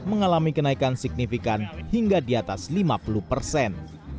mengalami kenaikan signifikan hingga di atas lima puluh persen